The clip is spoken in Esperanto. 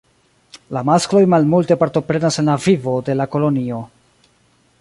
La maskloj malmulte partoprenas en la vivo de la kolonio.